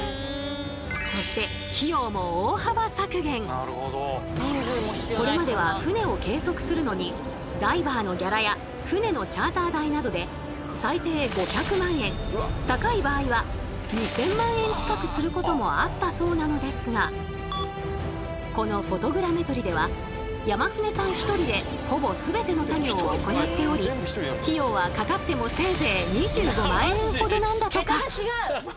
そしてこれまでは船を計測するのにダイバーのギャラや船のチャーター代などで最低５００万円高い場合は２，０００万円近くすることもあったそうなのですがこのフォトグラメトリでは山舩さん１人でほぼ全ての作業を行っており費用はかかってもせいぜい２５万円ほどなんだとか。